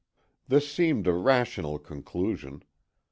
This seemed a rational conclusion.